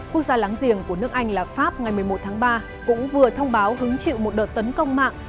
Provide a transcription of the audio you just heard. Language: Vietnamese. quốc gia láng giềng của nước anh là pháp ngày một mươi một tháng ba cũng vừa thông báo hứng chịu một đợt tấn công mạng